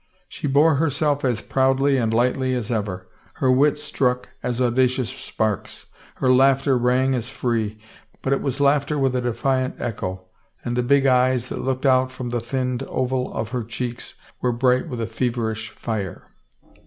She bor« herself as proudly and lightly as ever, her wit struck as audacious sparks, her laughter rang as free, but it was laughter with a defiant echo, and the big eyes that looked out from the thinned oval of her cheeks were bright with a feverish fire.